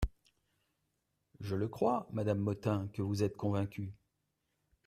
Je le crois, madame Motin, que vous êtes convaincue.